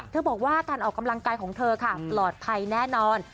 บอกว่าการออกกำลังกายของเธอค่ะปลอดภัยแน่นอน